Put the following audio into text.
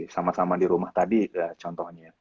sama sama di rumah tadi contohnya